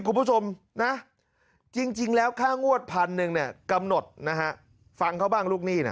คุณผู้ชมนะจริงแล้วค่างวดพันหนึ่งเนี่ยกำหนดนะฮะฟังเขาบ้างลูกหนี้นะ